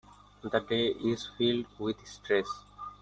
The day is filled with stress.